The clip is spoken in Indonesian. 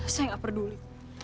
saya gak peduli